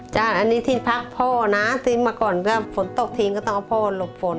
อันนี้ที่พักพ่อนะทิ้งมาก่อนก็ฝนตกทีนก็ต้องเอาพ่อหลบฝน